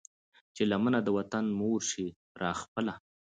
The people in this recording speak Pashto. چې لمنه د وطن مور شي را خپله